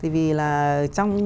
vì là trong